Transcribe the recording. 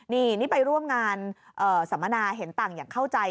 นี่นี่ไปร่วมงานสัมมนาเห็นต่างอย่างเข้าใจ